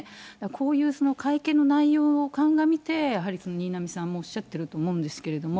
こういう会見の内容を鑑みて、やはり新浪さんもおっしゃっていると思うんですけれども。